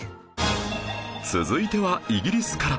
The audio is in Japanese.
続いてはイギリスから